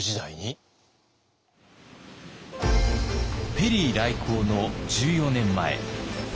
ペリー来航の１４年前。